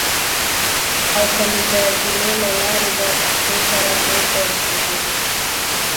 او که مې د زینو له لارې د تختې سره پورته وخېژوي.